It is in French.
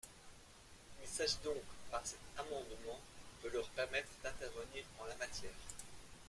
Il s’agit donc, par cet amendement, de leur permettre d’intervenir en la matière.